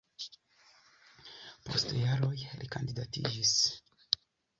Post jaroj li kandidatiĝis.